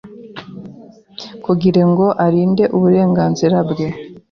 Kugirango arinde uburenganzira bwe